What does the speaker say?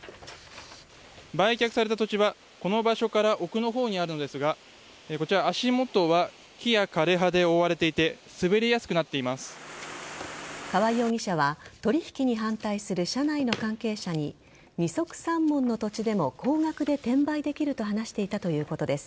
売却された土地はこの場所から奥の方にあるのですがこちら、足元は木や枯れ葉で覆われていて河合容疑者は取引に反対する社内の関係者に二束三文の土地でも高額で転売できると話していたということです。